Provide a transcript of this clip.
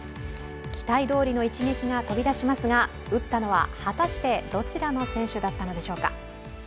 期待どおりの一撃が飛びだしますが、打ったのは果たしてどちらの選手だったのでしょうか。